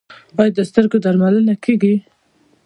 آیا د سترګو درملنه کیږي؟